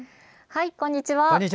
こんにちは。